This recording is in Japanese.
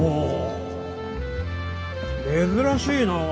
珍しいなあ。